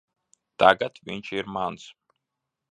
Tagad viņš ir mans.